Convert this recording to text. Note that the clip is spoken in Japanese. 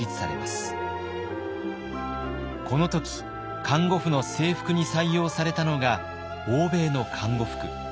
この時看護婦の制服に採用されたのが欧米の看護服。